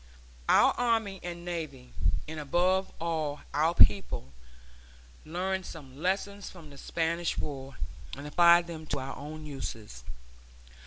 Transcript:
Our army and navy, and above all our people, learned some lessons from the Spanish War, and applied them to our own uses.